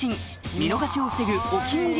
見逃しを防ぐ「お気に入り」